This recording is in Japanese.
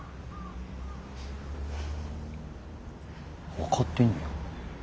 分かってんねや。